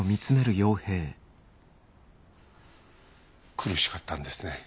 苦しかったんですね。